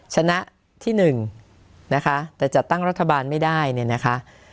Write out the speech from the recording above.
ชนะที่หนึ่งนะคะแต่จัดตั้งรัฐบาลไม่ได้เนี่ยนะคะ